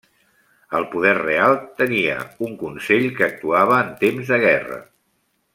El poder real el tenia un Consell que actuava en temps de guerra.